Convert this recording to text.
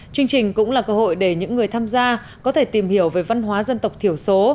chương trình cũng là cơ hội để những người tham gia có thể tìm hiểu về văn hóa dân tộc thiểu số